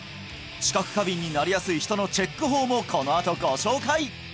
知覚過敏になりやすい人のチェック法もこのあとご紹介！